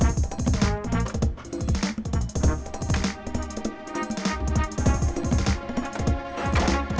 terima kasih pak joko